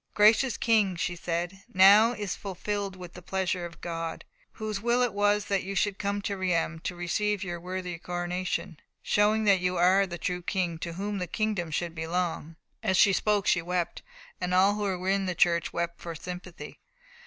"Gracious King," she said, "now is fulfilled the pleasure of God, whose will it was that you should come to Reims to receive your worthy coronation, showing that you are the true King to whom the kingdom should belong." As she spoke she wept, and all who were in the church wept for sympathy.